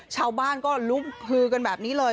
ชาวบ้านก็ลุกฮือกันแบบนี้เลย